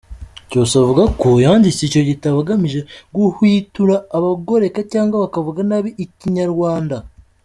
Cyusa avuga ko yanditse icyo gitabo agamije guhwitura abagoreka cyangwa bakavuga nabi Ikinyarwanda.